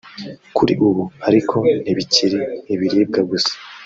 Kuri ubu ariko ntibikiri ibiribwa gusa